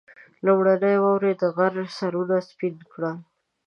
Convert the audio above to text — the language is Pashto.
لومړنۍ واورې د غرو سرونه سپين کړل.